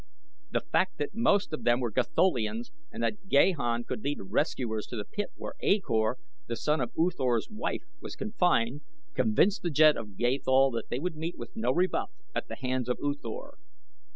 The fact that most of them were Gatholians and that Gahan could lead rescuers to the pit where A Kor, the son of U Thor's wife, was confined, convinced the Jed of Gathol that they would meet with no rebuff at the hands of U Thor.